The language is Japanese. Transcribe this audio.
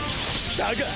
だが！